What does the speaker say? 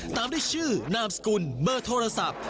ตามด้วยชื่อนามสกุลเบอร์โทรศัพท์